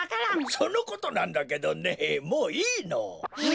そのことなんだけどねもういいの。え？